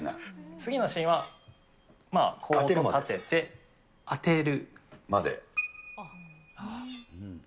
次のシーンは、こう立てて、当てる。